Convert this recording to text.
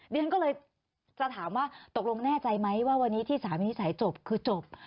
ดิฉันก็เลยจะถามว่าตกลงแน่ใจไหมว่าวันนี้ที่สารวินิจฉัยจบคือจบ